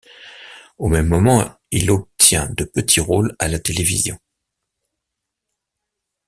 Au même moment, il obtient de petits rôles à la télévision.